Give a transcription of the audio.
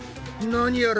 何やら。